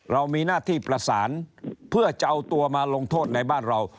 เรามีหน้าที่ประสานเพื่อจะเอาตัวมาลงโทษในบ้านเรา